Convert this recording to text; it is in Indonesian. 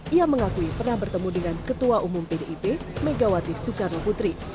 ia mengakui pernah bertemu dengan ketua umum pdip megawati soekarno putri